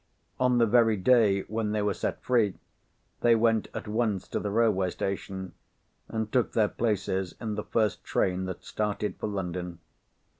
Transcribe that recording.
On the very day when they were set free they went at once to the railway station, and took their places in the first train that started for London.